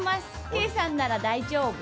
ケイさんなら大丈夫！